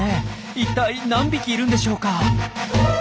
一体何匹いるんでしょうか？